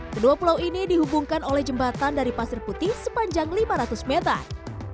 kedua pulau ini dihubungkan oleh jembatan dari pasir putih sepanjang lima ratus meter